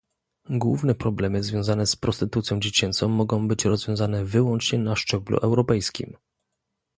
Główne problemy związane z prostytucją dziecięcą mogą być rozwiązane wyłącznie na szczeblu europejskim